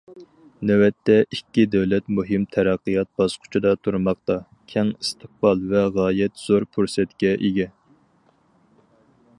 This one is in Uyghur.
نۆۋەتتە، ئىككى دۆلەت مۇھىم تەرەققىيات باسقۇچىدا تۇرماقتا، كەڭ ئىستىقبال ۋە غايەت زور پۇرسەتكە ئىگە.